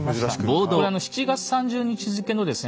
これは７月３０日付のですね